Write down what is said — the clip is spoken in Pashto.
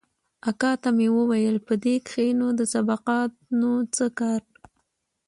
اکا ته مې وويل په دې کښې نو د سبقانو څه کار.